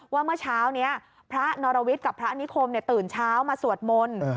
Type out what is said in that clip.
เมื่อเช้านี้พระนรวิทย์กับพระนิคมตื่นเช้ามาสวดมนต์